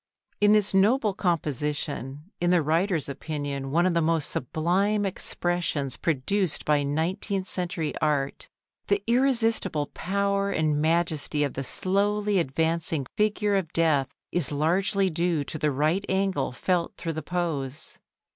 In this noble composition, in the writer's opinion one of the most sublime expressions produced by nineteenth century art, the irresistible power and majesty of the slowly advancing figure of Death is largely due to the right angle felt through the pose.